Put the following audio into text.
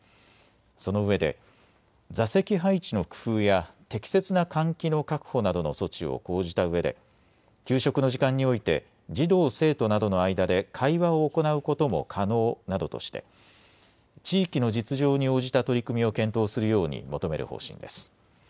そのうえで座席配置の工夫や適切な換気の確保などの措置を講じたうえで給食の時間において児童生徒などの間で会話を行うことも可能などとして地域の実情に応じた取り組みを検討するように求める方針です。